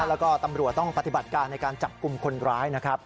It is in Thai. แล้วก็ตำรวจต้องปฏิบัติการในการจับกลุ่มคนร้ายนะครับ